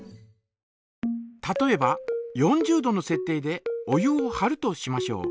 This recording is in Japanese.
例えば４０度のせっ定でお湯をはるとしましょう。